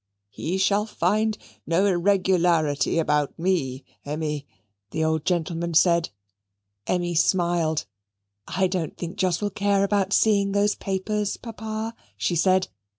"He shall find no irregularity about ME, Emmy," the old gentleman said. Emmy smiled. "I don't think Jos will care about seeing those papers, Papa," she said.